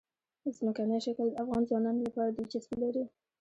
ځمکنی شکل د افغان ځوانانو لپاره دلچسپي لري.